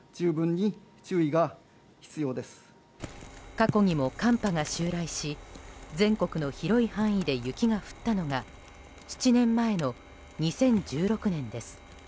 過去にも寒波が襲来し全国の広い範囲で雪が降ったのが７年前の２０１６年です。